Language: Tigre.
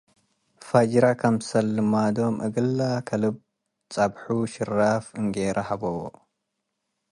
ፈጅረ ክምሰል ልማዶም እግል ለከልብ ጸብሑ ሽራ'ፍ እንጌረት ሀበዎ'።